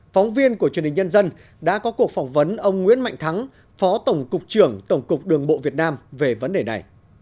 phóng viên của truyền hình nhân dân đã có cuộc phỏng vấn ông nguyễn mạnh thắng phó tổng cục trưởng tổng cục đường bộ việt nam về vấn đề này